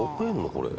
これ。